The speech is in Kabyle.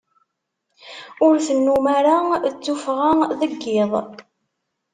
Ur tennum ara tuffɣa deg iḍ.